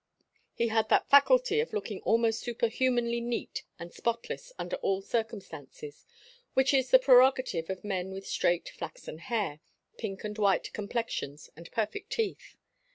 He had that faculty of looking almost superhumanly neat and spotless under all circumstances, which is the prerogative of men with straight, flaxen hair, pink and white complexions, and perfect teeth.